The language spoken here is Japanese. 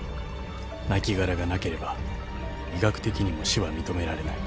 ［亡きがらがなければ医学的にも死は認められない］